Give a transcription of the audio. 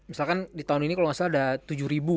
misalkan di tahun ini kalau gak salah ada tujuh ribu